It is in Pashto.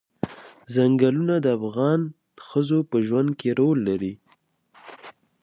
ځنګلونه د افغان ښځو په ژوند کې رول لري.